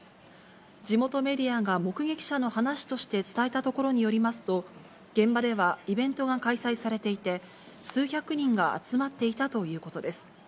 地元メディアが目撃者の話として伝えたところによりますと、現場ではイベントが開催されていて、数百人が集まっていたということです。